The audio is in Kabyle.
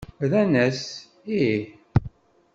Rran-as: Ih!